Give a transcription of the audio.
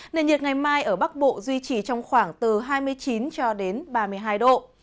nền nhiệt ngày mai ở bắc bộ duy trì trong khoảng từ hai mươi chín cho đến ba mươi hai độ